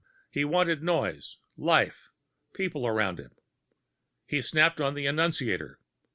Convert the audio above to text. He wanted noise, life, people around him. He snapped on the annunciator.